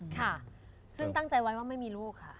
ค่ะซึ่งตั้งใจไว้ว่าไม่มีลูกค่ะ